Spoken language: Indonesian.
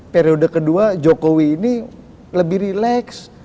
periode kedua jokowi ini lebih rileks